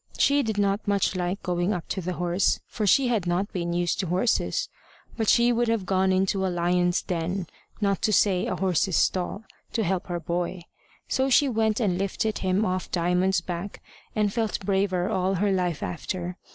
She did not much like going up to the horse, for she had not been used to horses; but she would have gone into a lion's den, not to say a horse's stall, to help her boy. So she went and lifted him off Diamond's back, and felt braver all her life after.